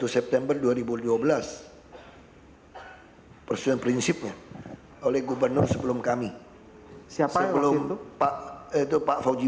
september dua ribu dua belas persen prinsipnya oleh gubernur sebelum kami siapa belum pak itu pak fawzi